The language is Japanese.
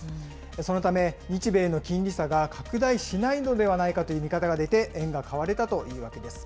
そのため日米の金利差が拡大しないのではないかという見方が出て、円が買われたというわけです。